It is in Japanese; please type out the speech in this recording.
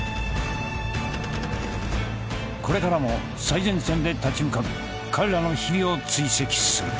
これからも最前線で立ち向かう彼らの日々を追跡する。